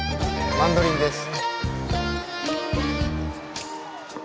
マンドリンです。